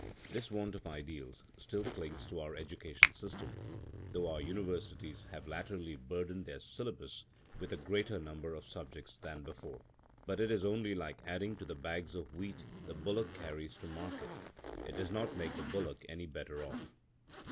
This want of ideals still clings to our education system, though our Universities have latterly burdened their syllabus with a greater number of subjects than before. But it is only like adding to the bags of wheat the bullock carries to market; it does not make the bullock any better off.